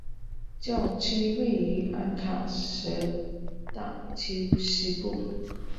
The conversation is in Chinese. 教区位于安卡什大区西部。